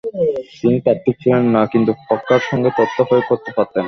তিনি তাত্ত্বিক ছিলেন না, কিন্তু প্রজ্ঞার সঙ্গে তত্ত্ব প্রয়োগ করতে পারতেন।